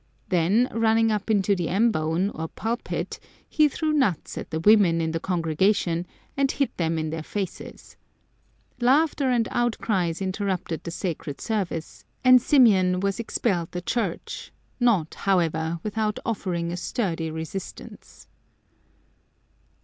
Then, running up into the ambone, or pulpit, he threw nuts at the women in the congregation, and hit them in their faces. Laughter and outcries interrupted the sacred service, and Symeon was 175 Curiosities of Olden Times expelled the church, not, however, without offering a sturdy resistance.